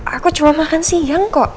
aku cuma makan siang kok